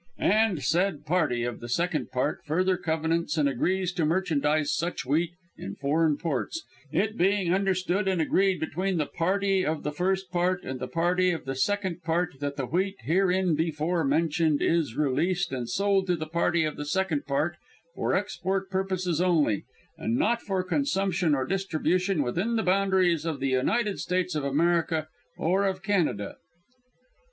_and said Party of the Second Part further covenants and agrees to merchandise such wheat in foreign ports, it being understood and agreed between the Party of the First Part and the Party of the Second Part that the wheat hereinbefore mentioned is released and sold to the Party of the Second Part for export purposes only, and not for consumption or distribution within the boundaries of the United States of America or of Canada_.